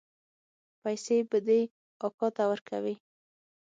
پيسې به دې اکا ته ورکوې.